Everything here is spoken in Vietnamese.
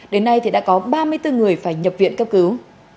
đến nay thì đã có ba mươi bốn người phải nhập viện cấp cứu